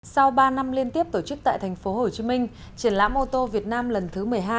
sau ba năm liên tiếp tổ chức tại tp hcm triển lãm ô tô việt nam lần thứ một mươi hai